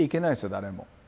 誰も。